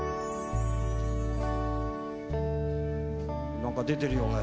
何か出てるよおい。